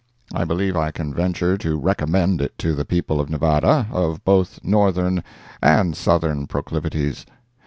I believe I can venture to recommend it to the people of Nevada, of both Northern and Southern proclivities.